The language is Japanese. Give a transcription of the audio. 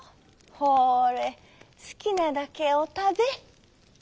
ほれすきなだけおたべ」。